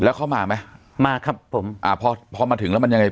แล้วเข้ามาไหมมาครับผมอ่าพอพอมาถึงแล้วมันยังไง